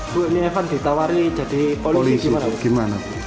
bu ini evan ditawari jadi polisi gimana